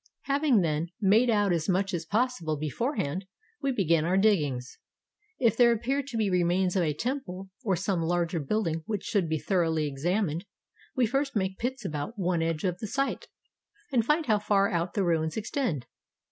Having, then, made out as much as possible before hand, we begin our diggings. If there appear to be re mains of a temple, or some larger building which should be thoroughly examined, we first make pits about one edge of the site, and find how far out the ruins extend.